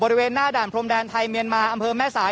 บริเวณหน้าด่านพรมแดนไทยเมียนมาอำเภอแม่สาย